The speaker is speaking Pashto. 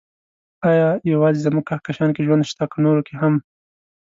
ايا يوازې زموږ کهکشان کې ژوند شته، که نورو کې هم؟